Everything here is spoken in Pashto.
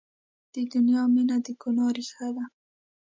د دنیا مینه د ګناه ریښه ده.